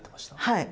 はい。